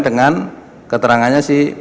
dengan keterangannya si